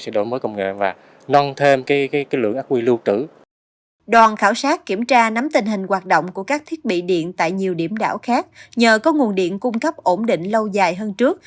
đoàn khảo sát kiểm tra nắm tình hình hoạt động của các thiết bị điện tại nhiều điểm đảo khác nhờ có nguồn điện cung cấp ổn định lâu dài hơn trước